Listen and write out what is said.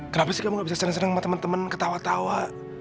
kenapa sih kamu gak bisa senang senang sama temen temen ketawa tawa